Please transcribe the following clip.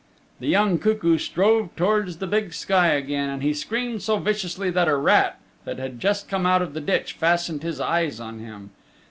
The young cuckoo strove towards the big sky again, and he screamed so viciously that a rat that had just come out of the ditch fastened his eyes on him.